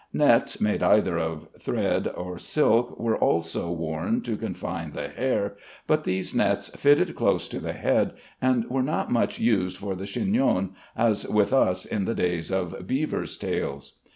Nets made either of thread or silk were also worn to confine the hair, but these nets fitted close to the head and were not much used for the chignon, as with us in the days of beavers' tails.